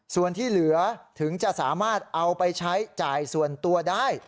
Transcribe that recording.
ส่วนที่เหลือถึงจะสามารถเอาไปใช้จ่ายส่วนตัวได้